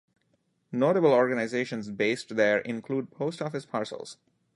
Notable organisations based there include Post Office Parcels.